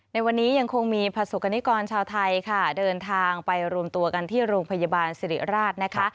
ในวันนี้ยังคงมีประสบกรณิกรชาวไทยค่ะเดินทางไปรวมตัวกันที่โรงพยาบาลสิริราชนะคะ